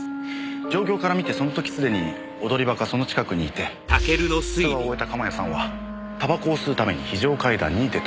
状況から見てその時すでに踊り場かその近くにいて通話を終えた鎌谷さんはタバコを吸うために非常階段に出た。